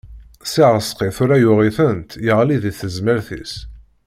Si Rezqi tura yuɣ-itent yeɣli di tezmert-is.